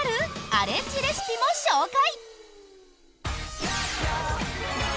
アレンジレシピも紹介！